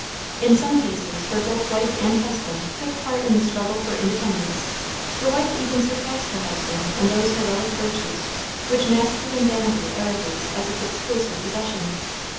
In some cases where both wife and husband took part in the struggle for independence, the wife even surpassed her husband in those heroic virtues which masculine vanity arrogates as its exclusive possession.